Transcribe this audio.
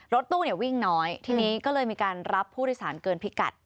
รถตู้เนี่ยวิ่งน้อยทีนี้ก็เลยมีการรับผู้โดยสารเกินพิกัด